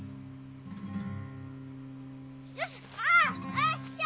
よっしゃ。